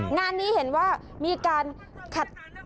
งานนี้เห็นว่ามีการขัด